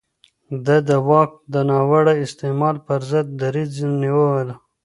ده د واک د ناوړه استعمال پر ضد دريځ ونيو.